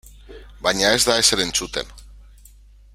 Baina ez da ezer entzuten.